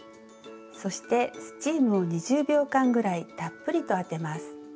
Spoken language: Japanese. そしてスチームを２０秒間ぐらいたっぷりとあてます。